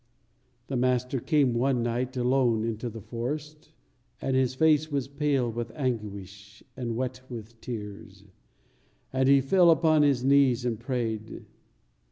The Master came one night alone into the forest, and His face was pale with anguish and wet with tears, and He fell upon His knees and prayed.